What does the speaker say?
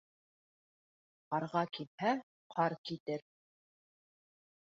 Ҡарға килһә, ҡар китер.